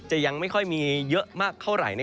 จะยังไม่มีการดูนี่เยอะมากเท่าไร